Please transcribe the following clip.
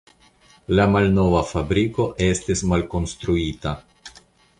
La malnova fabriko estis malkonstruita.